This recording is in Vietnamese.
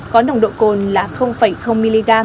có nồng độ cồn là mg